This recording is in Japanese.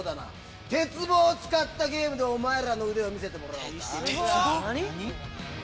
鉄棒を使ったゲームでお前らの腕を見せてもらおうか。